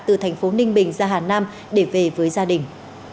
từ thành phố ninh bình ra hà nam để về với gia đình